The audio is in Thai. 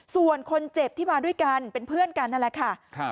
ส่วนคนเจ็บที่มาด้วยกันเป็นเพื่อนกันนั่นแหละค่ะ